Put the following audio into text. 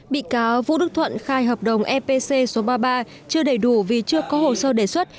bị cáo vũ đức thuận khai hợp đồng epc số ba mươi ba chưa đầy đủ vì chưa có hồ sơ đề xuất